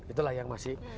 itulah yang masih